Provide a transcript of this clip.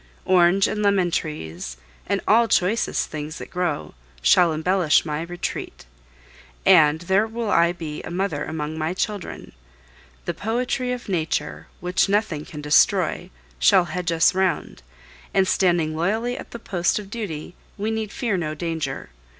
Orange and lemon trees, and all choicest things that grow, shall embellish my retreat; and there will I be a mother among my children. The poetry of Nature, which nothing can destroy, shall hedge us round; and standing loyally at the post of duty, we need fear no danger.